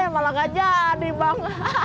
malah gak jadi bang